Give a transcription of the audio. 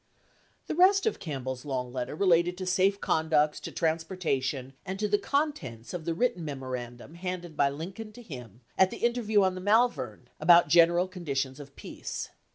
The rest of Campbell's long letter related to safe conducts, to transportation, and to the contents of the written memorandum handed by Lincoln to him at the interview on the Malvern about general conditions of peace.